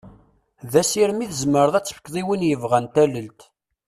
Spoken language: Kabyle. D asirem i tzemreḍ ad tefkeḍ i win yebɣan tallelt.